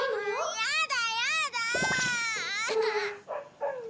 やだやだ！